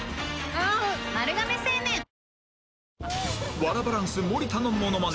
ワラバランス盛田のモノマネ